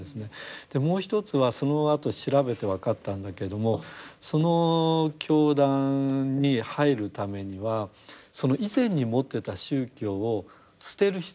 もう一つはそのあと調べて分かったんだけれどもその教団に入るためにはその以前に持ってた宗教を捨てる必要がない。